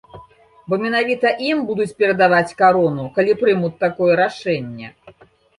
Бо менавіта ім будуць перадаваць карону, калі прымуць такое рашэнне.